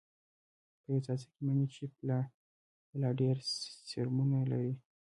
په يو څاڅکي مني کښې بلا ډېر سپرمونه وي.